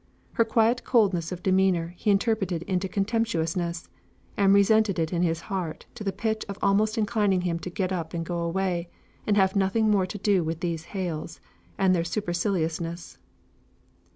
Her quiet coldness of demeanour he interpreted into contemptuousness, and resented it in his heart to the pitch of almost inclining him to get up and go away, and have nothing more to do with these Hales, and their superciliousness.